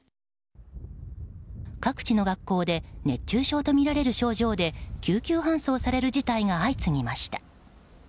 各地の学校で熱中症とみられる症状で救急搬送される事態が相次ぎました。